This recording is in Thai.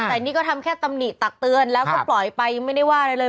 แต่นี่ก็ทำแค่ตำหนิตักเตือนแล้วก็ปล่อยไปยังไม่ได้ว่าอะไรเลย